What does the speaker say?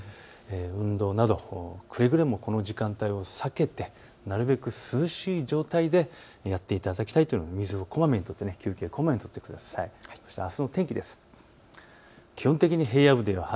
運動などくれぐれもこの時間帯は避けて、なるべく涼しい状態でやっていただきたいと、休憩、こまめに取って水をこまめにとっていただきたいと思います。